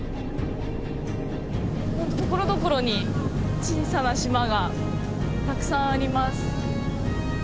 ところどころに小さな島がたくさんあります。